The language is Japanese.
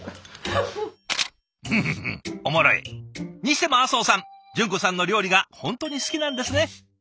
にしても阿相さん淳子さんの料理が本当に好きなんですね。